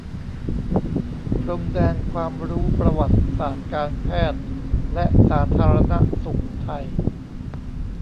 พรมแดนความรู้ประวัติศาสตร์การแพทย์และสาธารณสุขไทย